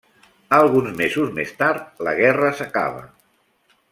Alguns mesos més tard, la guerra s'acaba.